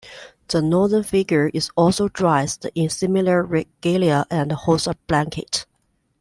The northern figure is also dressed in similar regalia and holds a blanket.